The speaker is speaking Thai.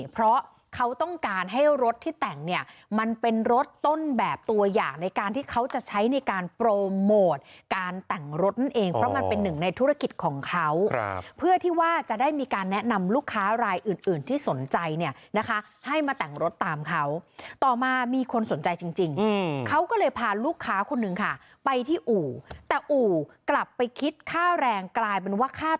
เพราะเขาต้องการให้รถที่แต่งเนี่ยมันเป็นรถต้นแบบตัวอย่างในการที่เขาจะใช้ในการโปรโมทการแต่งรถนั่นเองเพราะมันเป็นหนึ่งในธุรกิจของเขาเพื่อที่ว่าจะได้มีการแนะนำลูกค้ารายอื่นอื่นที่สนใจเนี่ยนะคะให้มาแต่งรถตามเขาต่อมามีคนสนใจจริงเขาก็เลยพาลูกค้าคนหนึ่งค่ะไปที่อู่แต่อู่กลับไปคิดค่าแรงกลายเป็นว่าค่า